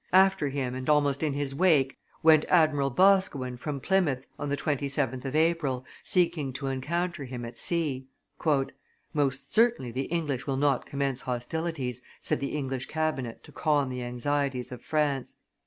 After him and almost in his wake went Admiral Boscawen from Plymouth, on the 27th of April, seeking to encounter him at sea. "Most certainly the English will not commence hostilities," said the English cabinet to calm the anxieties of France.